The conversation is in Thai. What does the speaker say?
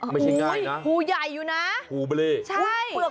ไม่ใช่ง่ายนะหูใหญ่อยู่นะหูเบล้ใช่